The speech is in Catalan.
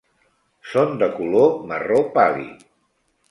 Són de color marró pàl·lid.